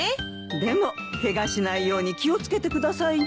でもケガしないように気を付けてくださいね。